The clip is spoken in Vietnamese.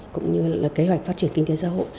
cũng như là kế hoạch phát triển kinh tế xã hội